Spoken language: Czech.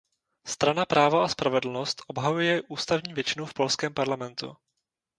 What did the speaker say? Strana právo a spravedlnost obhajuje ústavní většinu v polském parlamentu.